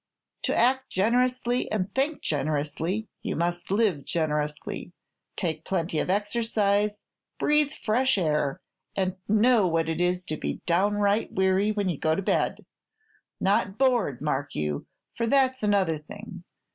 To act generously and think generously, you must live generously, take plenty of exercise, breathe fresh air, and know what it is to be downright weary when you go to bed, not bored, mark you, for that's another thing.